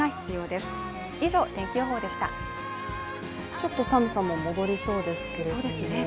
ちょっと寒さも戻りそうですけれども。